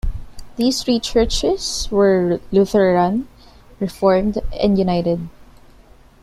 These three churches were Lutheran, Reformed, and United.